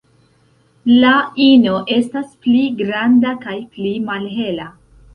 La ino estas pli granda kaj pli malhela.